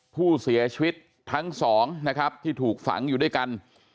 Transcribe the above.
ผู้เสียชีวิตทั้งสองนะครับที่ถูกฝังอยู่ด้วยกัน